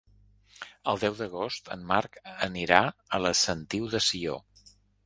El deu d'agost en Marc anirà a la Sentiu de Sió.